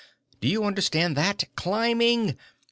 Do you understand that? _Climbing!